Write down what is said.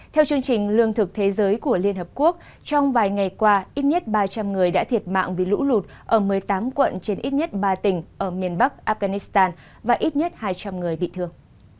theo chương trình lương thực thế giới của liên hợp quốc trong vài ngày qua ít nhất ba trăm linh người đã thiệt mạng vì lũ lụt ở một mươi tám quận trên ít nhất ba tỉnh ở miền bắc afghanistan và ít nhất hai trăm linh người bị thương